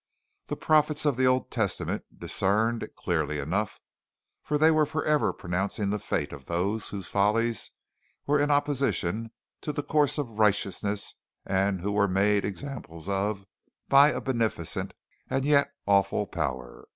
The prophets of the Old Testament discerned it clearly enough, for they were forever pronouncing the fate of those whose follies were in opposition to the course of righteousness and who were made examples of by a beneficent and yet awful power.